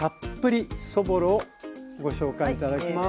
ご紹介頂きます。